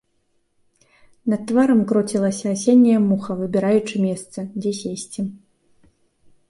Над тварам круцілася асенняя муха, выбіраючы месца, дзе сесці.